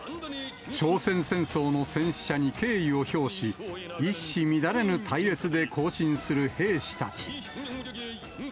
朝鮮戦争の戦死者に敬意を表し、一糸乱れぬ隊列で行進する兵士たち。